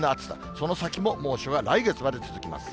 その先も猛暑が来月まで続きます。